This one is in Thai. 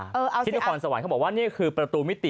ที่นครสวรรค์เขาบอกว่านี่คือประตูมิติ